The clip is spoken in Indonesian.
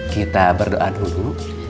kita berdoa dulu